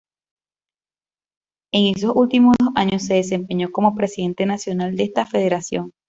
En esos últimos dos años se desempeñó como presidente nacional de esta federación.